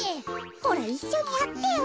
ほらいっしょにやってよ。